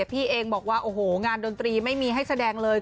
พี่เองบอกว่าโอ้โหงานดนตรีไม่มีให้แสดงเลย